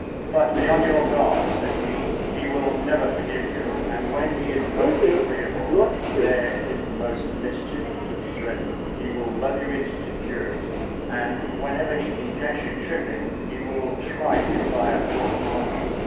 "But be on your guard," said he, "he will never forgive you; and, when he is most agreeable, there is the most mischief to be dreaded. He will lull you into security, and, whenever he can catch you tripping, he will try you by a court martial.